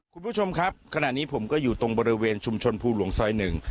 คุณผู้ชมครับขณะนี้ผมก็อยู่ตรงบริเวณชุมชนภูหลวงซอยหนึ่ง